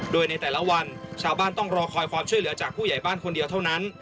โดยในแต่ละวันชาวบ้านต้องรอคอยความช่วยเหลือจากผู้ใหญ่บ้านคนเดียวเท่านั้น